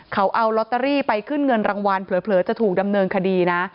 เขาเอาลอตเตอรี่ไปขึ้นเงินรางวัลเผลอจะถูกดำเนินคดีนะ